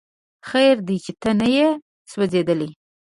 خیر دی چې ته نه یې سوځېدلی